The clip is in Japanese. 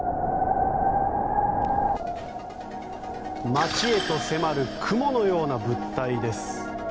街へと迫る雲のような物体です。